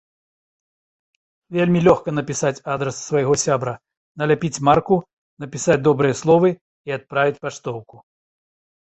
Вельмі лёгка напісаць адрас свайго сябра, наляпіць марку, напісаць добрыя словы і адправіць паштоўку.